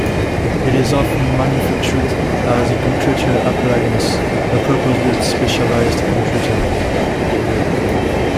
It is often manufactured as a computer appliance - a purpose-built specialized computer.